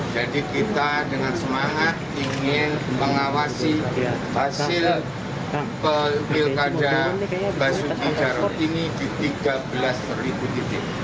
jadi kita dengan semangat ingin mengawasi hasil pilkada basuki jaros ini di tiga belas titik